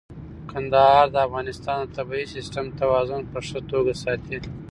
کندهار د افغانستان د طبیعي سیسټم توازن په ښه توګه ساتي.